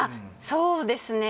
そうですね